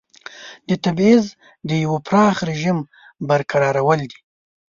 د تبعیض د یوه پراخ رژیم برقرارول دي.